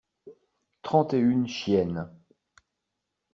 Trente et une chiennes.